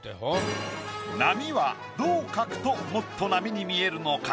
波はどう描くともっと波に見えるのか？